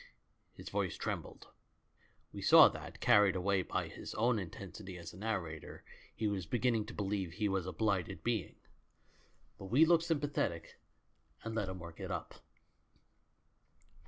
His voice trembled. We saw that, car ried away by his own intensity as a narrator, he was beginning to beheve he was a blighted being. A VERY GOOD THING FOR THE GIRL 29 But we looked sympathetic, and let him work it up.